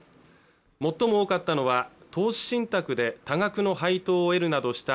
最も多かったのは投資信託で多額の配当を得るなどした